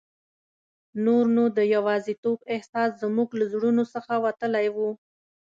نور نو د یوازیتوب احساس زموږ له زړونو څخه وتلی وو.